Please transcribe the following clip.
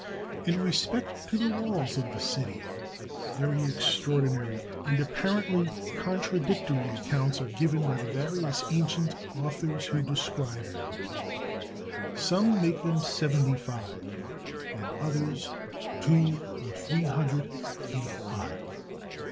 513 MESOPOTAMIA In respect to the walls of the city, very extraordinary and apparently contradictory accounts are given by the various ancient authors who described them. Some make them seventy five, and others two or three hun dred feet high.